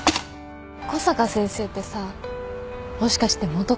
小坂先生ってさもしかして元カノ？